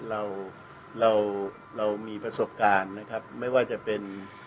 เราเราเรามีประสบการณ์นะครับไม่ว่าจะเป็น